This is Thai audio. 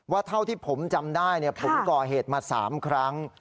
เท่าที่ผมจำได้ผมก่อเหตุมา๓ครั้ง